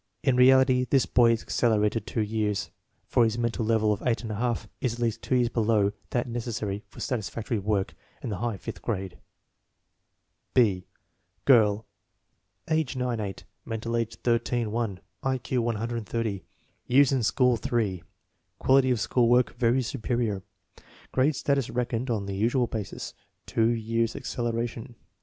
In reality this boy is accelerated two years, for his mental level of 8 J is at least two years below that neces sary for satisfactory work in the high fifth grade. B. Girl; age 9 8; mental age 13 1; I Q 130; years in school three; quality of school work "very superior"; grade status reckoned on the usual basis, two years acceleration.